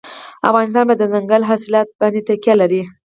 افغانستان په دځنګل حاصلات باندې تکیه لري.